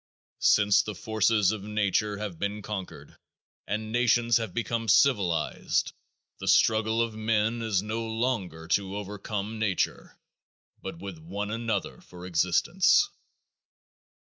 Since the forces of nature have been conquered and nations have become civilized the struggle of men is no longer to overcome nature but with one another for existence.